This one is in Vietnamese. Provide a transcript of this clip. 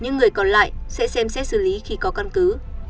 những người còn lại sẽ xem xét xử lý khi có căn cứ